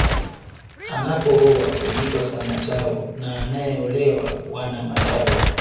Anapooa huitwa Samachau na anaeolewa Wanamachau